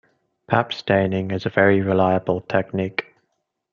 Pap staining is a very reliable technique.